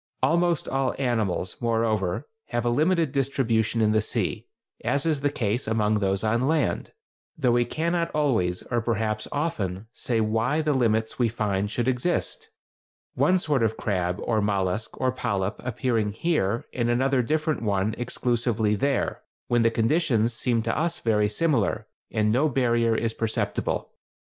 ] Almost all animals, moreover, have a limited distribution in the sea, as is the case among those on land, though we cannot always, or perhaps often, say why the limits we find should exist; one sort of crab, or mollusk, or polyp, appearing here and another different one exclusively there, when the conditions seem to us very similar, and no barrier is perceptible.